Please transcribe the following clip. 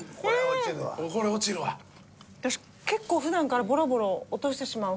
私結構普段からボロボロ落としてしまう方で。